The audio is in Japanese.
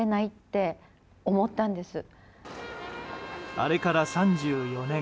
あれから３４年。